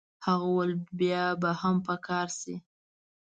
هغه وویل بیا به هم په کار شي.